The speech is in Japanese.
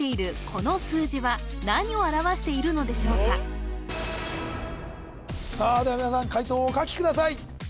この数字は何を表しているのでしょうかさあでは皆さん解答をお書きください